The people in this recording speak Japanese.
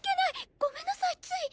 ごめんなさいつい。